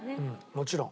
もちろん。